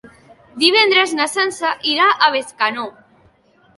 Divendres na Sança irà a Bescanó.